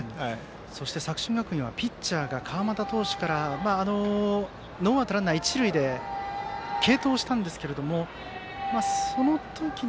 そして、作新学院はピッチャーが川又投手からノーアウトランナー、一塁で継投したんですがその時に。